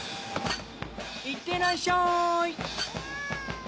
いってらっしゃい。